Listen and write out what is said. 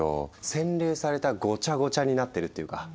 洗練されたごちゃごちゃになってるっていうか。